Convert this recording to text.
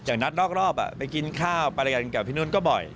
อย่างนัดนอกรอบไปกินข้าวไปรายการกับพี่นุนก็บ่อย